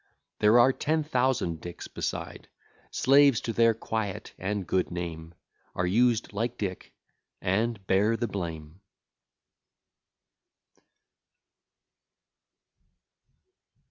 There are ten thousand Dicks beside; Slaves to their quiet and good name, Are used like Dick, and bear the blame.